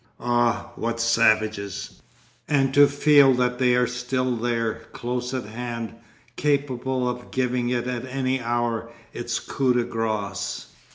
Ah, what savages! And to feel that they are still there, close at hand, capable of giving it at any hour its coup de grâce.